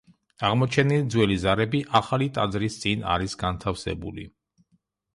აღმოჩენილი ძველი ზარები ახალი ტაძრის წინ არის განთავსებული.